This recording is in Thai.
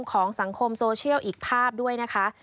ของสังคมโซเชียลอีกภาพด้วยนะคะ